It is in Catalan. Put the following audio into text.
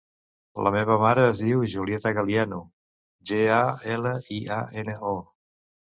La meva mare es diu Julieta Galiano: ge, a, ela, i, a, ena, o.